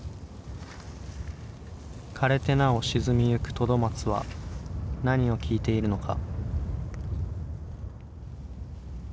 枯れてなお沈みゆくトドマツは何を聴いているのか。